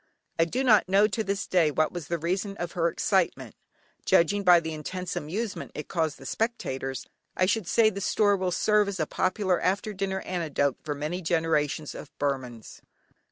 I do not know to this day what was the reason of her excitement. Judging by the intense amusement it caused the spectators, I should say the story will serve as a popular after dinner anecdote for many generations of Burmans.